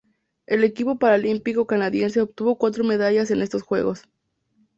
El equipo paralímpico canadiense obtuvo cuatro medallas en estos Juegos.